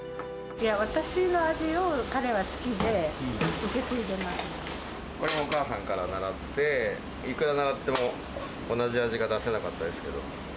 私の味を彼は好きで受け継いこれもお母さんから習って、いくら習っても同じ味が出せなかったですけど。